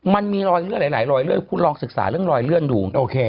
มันมีหลายรอยเลื่อนคุณลองศึกษาเรื่องรอยเลื่อนดู